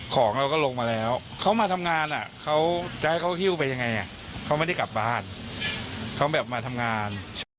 ของเราก็ลงมาแล้วเขามาทำงานคิดยังไงเขาไม่ได้กลับบ้านเขาค่อยมาทำงาน